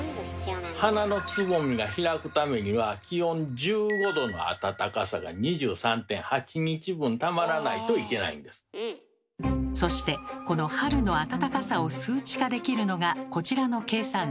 花のつぼみが開くためにはそしてこの春の暖かさを数値化できるのがこちらの計算式。